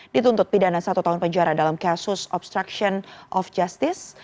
dituntut pidana satu tahun penjara dalam kasus obstruction of justice